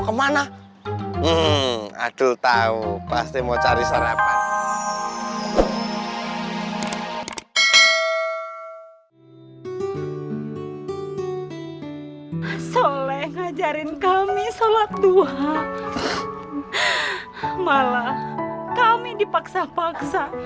kemana adul tahu pasti mau cari sarapan sole ngajarin kami sholat tuhan malah kami dipaksa paksa